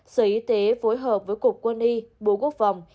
sở y tế phối hợp với cục quân y bộ quốc phòng